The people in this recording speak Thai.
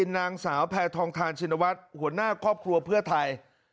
นางสาวแพทองทานชินวัฒน์หัวหน้าครอบครัวเพื่อไทย